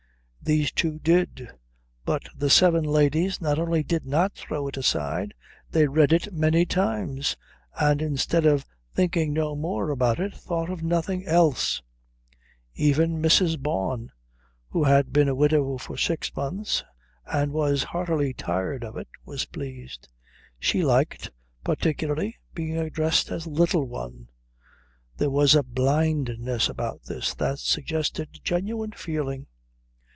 These two did; but the seven ladies not only did not throw it aside, they read it many times, and instead of thinking no more about it thought of nothing else. Even Mrs. Bawn, who had been a widow for six months and was heartily tired of it, was pleased. She liked, particularly, being addressed as Little One. There was a blindness about this that suggested genuine feeling.